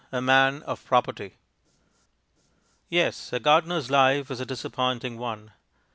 A Man of Property Yes, a gardener's life is a disappointing one.